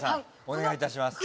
お願いいたします